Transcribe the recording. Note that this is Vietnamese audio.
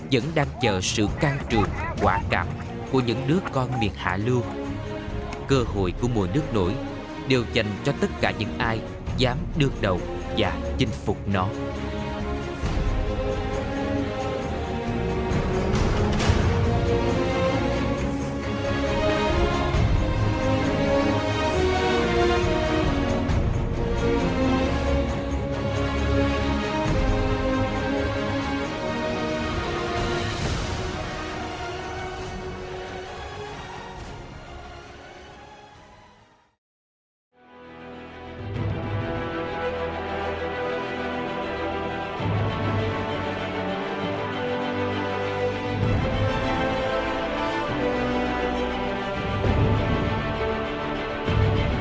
hãy đăng ký kênh để ủng hộ kênh của mình nhé